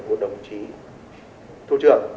của đồng chí thủ trưởng